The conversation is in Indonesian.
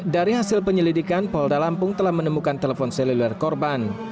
dari hasil penyelidikan polda lampung telah menemukan telepon seluler korban